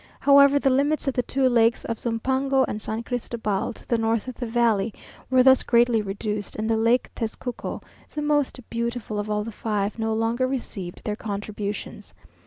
However, the limits of the two lakes of Zumpango and San Cristobal, to the north of the valley, were thus greatly reduced, and the lake of Tezcuco, the most beautiful of all the five, no longer received their contributions.